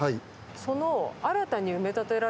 その。